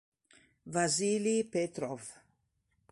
Vasilij Petrov